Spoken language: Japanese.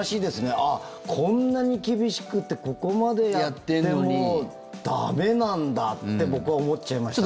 あ、こんなに厳しくてここまでやっても駄目なんだって僕は思っちゃいました。